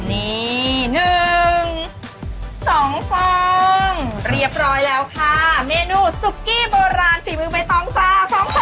นี่หนึ่งสองฟองเรียบร้อยแล้วค่ะเมนูสุกี้โบราณฝีมือไม่ต้องจ้า